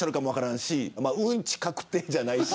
まあ、うんち確定じゃないし。